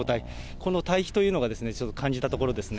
この退避というのがちょっと感じたところですね。